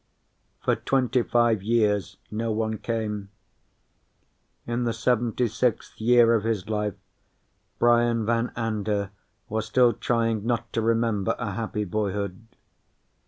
For twenty five years, no one came. In the seventy sixth year of his life, Brian Van Anda was still trying not to remember a happy boyhood.